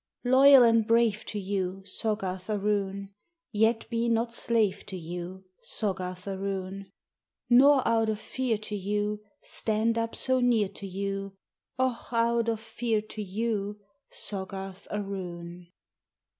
Loval and brave to you, c «. 7 Soggarth aroon, Yet be not slave to you, Soggarth aroon, Nor, out of fear to you, Stand up so near to you — Och ! out of fear to you, Soggarth aroon